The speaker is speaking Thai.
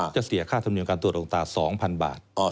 เสียค่าธรรมเนียมการตรวจโรงตา๒๐๐๐บาท